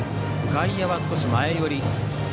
外野は少し前寄り。